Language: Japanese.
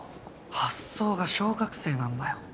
発想が小学生なんだよ。